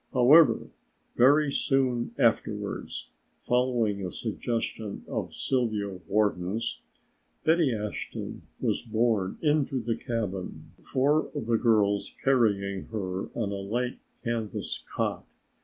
However, very soon afterwards, following a suggestion of Sylvia Wharton's, Betty Ashton was borne into the cabin, four of the girls carrying her on a light canvas cot.